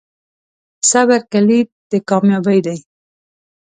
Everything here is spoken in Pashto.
صبر کلید د کامیابۍ دی.